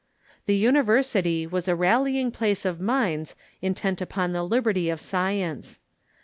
The university was a rallying place of minds intent upon the liberty of science.